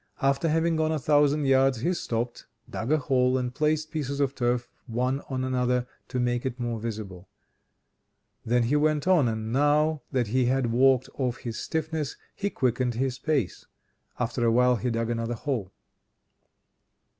After having gone a thousand yards he stopped, dug a hole and placed pieces of turf one on another to make it more visible. Then he went on; and now that he had walked off his stiffness he quickened his pace. After a while he dug another hole.